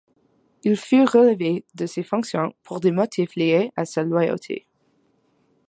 Il fut relevé de ses fonctions pour des motifs liés à sa loyauté.